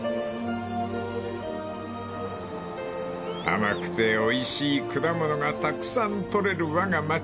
［甘くておいしい果物がたくさん採れるわが町］